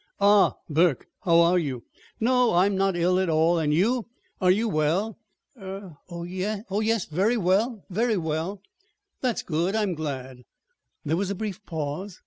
"Ah, Burke, how are you? No, I'm not ill at all. And you are you well?" "Er ah oh, yes, very well er very well." "That's good. I'm glad." There was a brief pause.